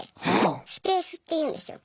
「スペース」って言うんですよ。